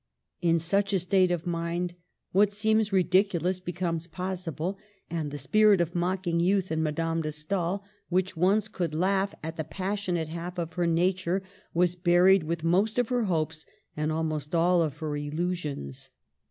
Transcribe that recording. In such a state of mind what seems ridiculous becomes possible, and the spirit of mocking youth in Ma dame de Stael, which once could laugh at the passionate half of her nature, was buried with most of her hopes and almost all of her illusions.